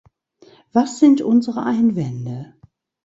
Was sind unsere Einwände?